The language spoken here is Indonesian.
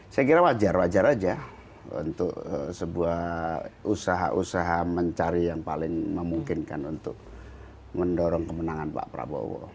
saya kira wajar wajar saja untuk sebuah usaha usaha mencari yang paling memungkinkan untuk mendorong kemenangan pak prabowo